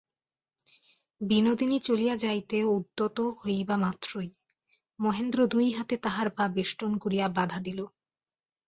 বিনোদিনী চলিয়া যাইতে উদ্যত হইবামাত্র মহেন্দ্র দুই হাতে তাহার পা বেষ্টন করিয়া বাধা দিল।